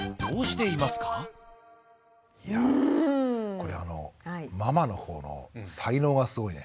これあのママのほうの才能がすごいね。